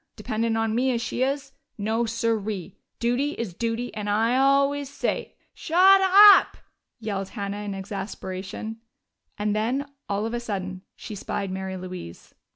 Dependin' on me as she is. No, siree! Duty is duty, and I always say " "Shut up!" yelled Hannah in exasperation. And then, all of a sudden, she spied Mary Louise.